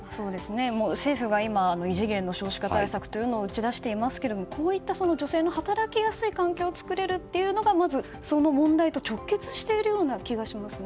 政府が今異次元の少子化対策というのを打ち出していますけれどもこういった女性の働きやすい環境を作れるというのがまず、その問題と直結しているような気がしますね。